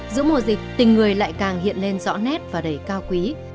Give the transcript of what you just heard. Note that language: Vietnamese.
giữa mùa dịch tình người lại càng hiện lên rõ nét và đầy cao quý